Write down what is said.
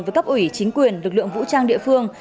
với cấp ủy chính quyền lực lượng vũ trang địa phương